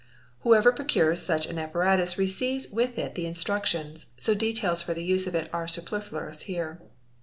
Whoever procures such an apparatus receives With it the instructions, so details for the use of it are superfluous here.